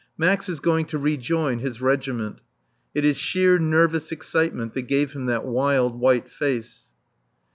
Max is going to rejoin his regiment. It is sheer nervous excitement that gave him that wild, white face.